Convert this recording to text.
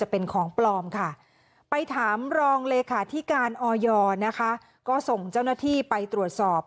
ไปถามรองเลขาธิการออยนะคะก็ส่งเจ้าหน้าที่ไปตรวจสอบ